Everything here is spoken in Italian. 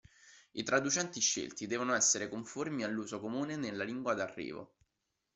I traducenti scelti devono essere conformi all'uso comune nella lingua d'arrivo.